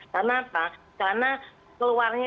karena apa karena keluarannya